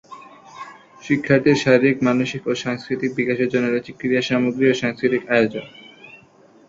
শিক্ষার্থীর শারীরিক, মানসিক ও সাংস্কৃতিক বিকাশের জন্য রয়েছে ক্রীড়া সামগ্রী ও সাংস্কৃতিক আয়োজন।